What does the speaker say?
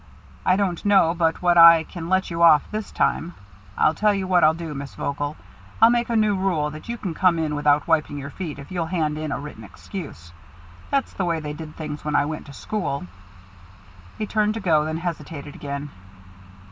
I don't know but what I can let you off this time I'll tell you what I'll do, Miss Vogel: I'll make a new rule that you can come in without wiping your feet if you'll hand in a written excuse. That's the way they did things when I went to school." He turned to go, then hesitated again.